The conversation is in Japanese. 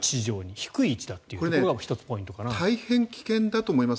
低いというところがポイントかなと思います。